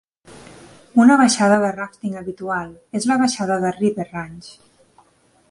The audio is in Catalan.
Una baixada de ràfting habitual és la baixada de River Ranch.